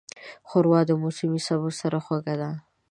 ښوروا د موسمي سبو سره خوږه ده.